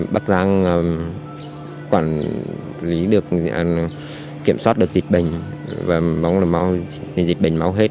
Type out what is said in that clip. bác giang quản lý được kiểm soát được dịch bệnh và dịch bệnh máu hết